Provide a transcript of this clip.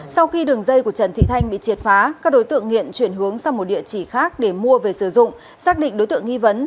sau khi đường dây của trần thị thanh bị triệt phá các đối tượng nghiện chuyển hướng sang một địa chỉ khác để mua về sử dụng xác định đối tượng nghi vấn